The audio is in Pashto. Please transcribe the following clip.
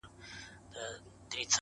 دى بېواكه وو كاڼه يې وه غوږونه!!